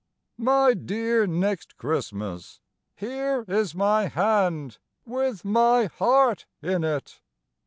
My dear Next Christmas, Here is my hand, With my heart in it.